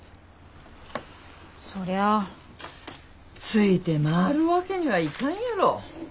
ついて回るわけにはいかんやろ。